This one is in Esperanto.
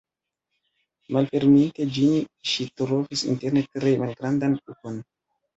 Malferminte ĝin, ŝi trovis interne tre malgrandan kukon.